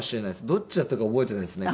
どっちだったか覚えてないですね。